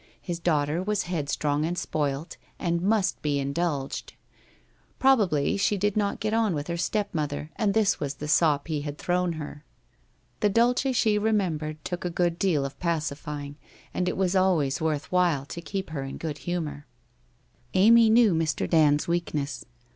His daughter was headstrong and spoilt, and must be indulged. Probably she did not get on with her step mother, and this was the sop he had thrown her. The Dulce she remembered took a good deal of pacifying, and it was always worth while to keep her in a good humour. Amy knew Mr. Dand's weakness.